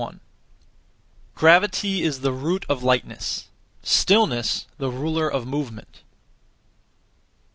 Gravity is the root of lightness; stillness, the ruler of movement.